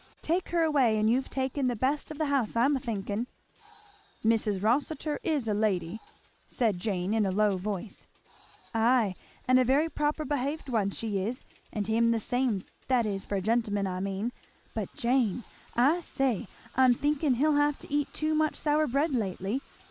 "Take her away and you've taken the best of the house, I'm a thinking." "Mrs. Rossitur is a lady," said Jane in a low voice. "Ay, and a very proper behaved one she is, and him the same, that is, for a gentleman I maan; but Jane! I say, I'm thinking he'll have eat too much sour bread lately!